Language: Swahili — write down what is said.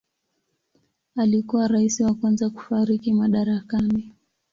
Alikuwa rais wa kwanza kufariki madarakani.